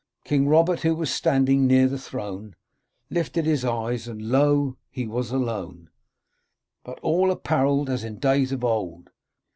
' King Robert, who was standing near the throne, Lifted his eyes, and lo ! he was alone ! But all apparelled as in days of old.